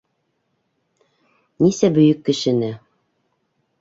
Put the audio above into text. Нисә бөйөк кешене?..